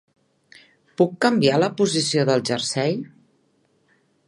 Puc canviar la posició del jersei?